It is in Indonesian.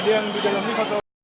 ada yang di dalam ini